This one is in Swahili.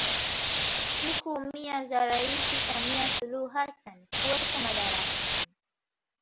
Siku mia za Rais Samia Suluhu Hassan kuwepo madarakani